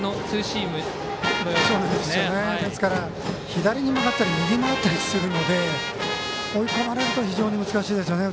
左に曲がったり右に曲がったりするので追い込まれると非常に難しいですよね。